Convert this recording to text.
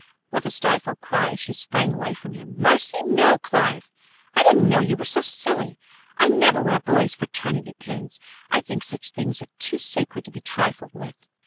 With a stifled cry she sprang away from him. "Mercy, no, Clive! I didn't know you were so silly. I never wear boys' fraternity pins. I think such things are too sacred to be trifled with!"